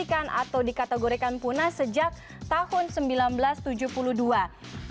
harimau bali ini juga sudah dikategorikan atau dikategorikan punah sejak tahun seribu sembilan ratus tujuh puluh dua